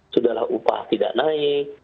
sudahlah upah tidak naik